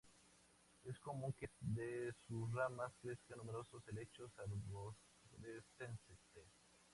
Es común que de sus ramas crezcan numerosos helechos arborescentes.